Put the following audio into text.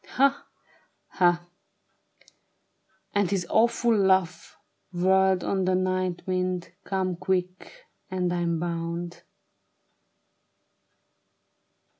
Ha ! ha !" And his awful laugh whirled on the night wind ;" Come quick ! And I'm bound.